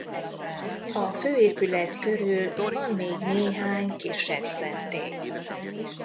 A fő épület körül van még néhány kisebb szentély.